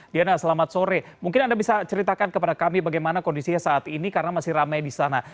diana selamat sore mungkin anda bisa ceritakan kepada kami bagaimana kondisinya saat ini karena masih ramai di sana